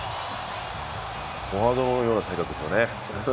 フォワードのような体格ですよね。